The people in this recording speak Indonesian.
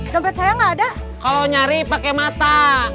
tempat saya enggak ada kalau nyari pakai mata